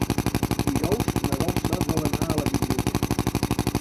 Dijous na Dolça vol anar a la biblioteca.